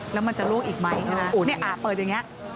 แล้วมันจะลูกอีกไหมฮะอุ๋นเนี่ยอ่ะเปิดอย่างเงี้ย